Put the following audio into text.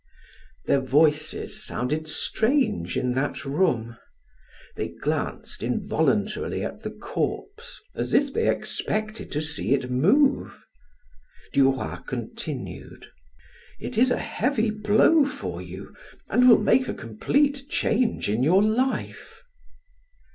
Their voices sounded strange in that room. They glanced involuntarily at the corpse as if they expected to see it move. Duroy continued: "It is a heavy blow for you, and will make a complete change in your life."